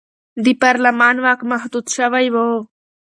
د پارلمان واک محدود شوی و.